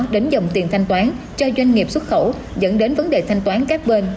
đến dòng tiền thanh toán cho doanh nghiệp xuất khẩu dẫn đến vấn đề thanh toán các bên